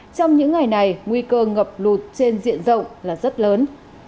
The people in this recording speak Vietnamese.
trong những ngày này nguy cơ ngập lụt trên diện rộng là rất lớn